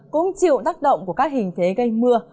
cũng chịu tác động của các hình thế gây mưa